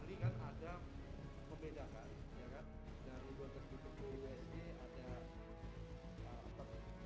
dari gua terbuka ke usd ada